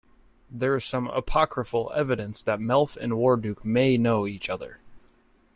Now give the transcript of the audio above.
There is some apocryphal evidence that Melf and Warduke may know each other.